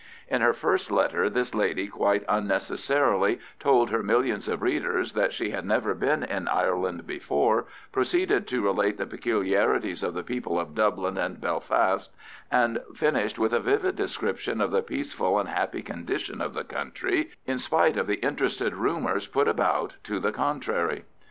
In her first letter, this lady, quite unnecessarily, told her millions of readers that she had never been in Ireland before, proceeded to relate the peculiarities of the people of Dublin and Belfast, and finished with a vivid description of the peaceful and happy condition of the country, in spite of the interested rumours put about to the contrary.